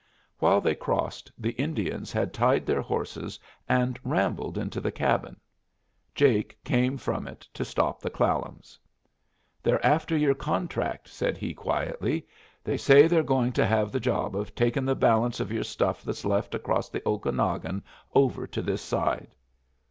While they crossed, the Indians had tied their horses and rambled into the cabin. Jake came from it to stop the Clallams. "They're after your contract," said he, quietly. "They say they're going to have the job of takin' the balance of your stuff that's left acrosst the Okanagon over to this side."